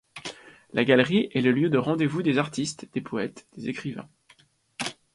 La Galerie est le lieu de rendez-vous des artistes, des poètes, des écrivains.